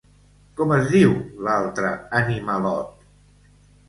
Com es diu l'altre animalot?